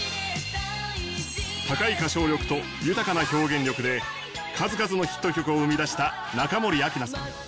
高い歌唱力と豊かな表現力で数々のヒット曲を生み出した中森明菜さん。